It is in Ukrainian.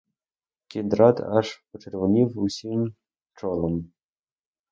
Кіндрат аж почервонів усім чолом.